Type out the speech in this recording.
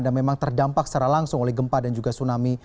dan memang terdampak secara langsung oleh gempa dan juga tsunami